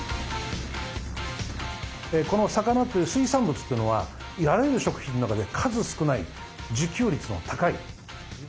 この魚という水産物というのはあらゆる食品の中で数少ない自給率の高い。